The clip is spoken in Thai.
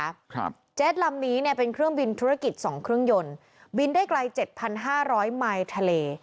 ครับเจ็ตลำนี้เนี้ยเป็นเครื่องบินธุรกิจสองเครื่องยนต์บินได้ไกลเจ็ดพันห้าร้อยไมล์ทะเล